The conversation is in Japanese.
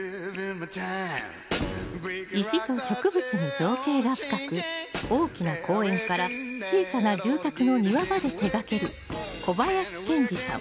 石と植物に造詣が深く大きな公園から小さな住宅の庭まで手掛ける小林賢二さん